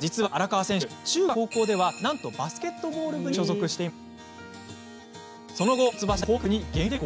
実は、荒川選手中学、高校ではなんとバスケットボール部に所属していました。